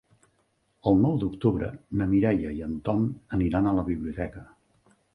El nou d'octubre na Mireia i en Tom aniran a la biblioteca.